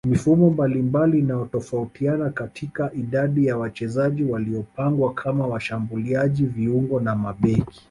Mifumo mbalimbali inatofautiana katika idadi ya wachezaji waliopangwa kama washambuliaji viungo na mabeki